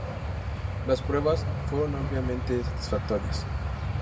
Las pruebas fueron ampliamente satisfactorias.